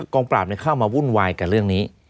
กองปราบเข้ามาวุ่นวายกับเรื่องนี้